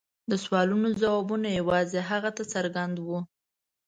د سوالونو ځواب یوازې هغه ته څرګند و.